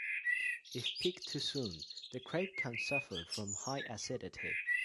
If picked too soon, the grape can suffer from high acidity.